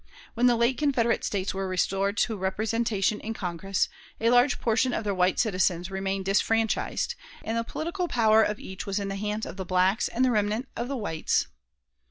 When the late Confederate States were restored to representation in Congress, a large portion of their white citizens remained disfranchised, and the political power of each was in the hands of the blacks and the remnant of the whites.